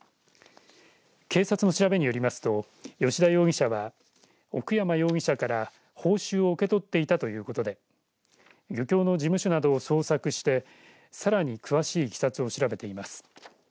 警察の調べによりますと吉田容疑者は、奥山容疑者から報酬を受け取っていたということで漁協の事務所などを捜索してさらに詳しいいきさつを調べています。